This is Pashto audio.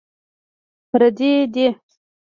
پردي دي.